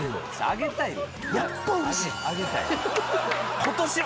あげたよ。